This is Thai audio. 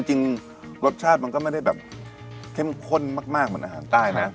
จริงรสชาติมันก็ไม่ได้แบบเข้มข้นมากเหมือนอาหารใต้นะ